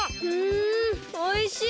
んおいしい！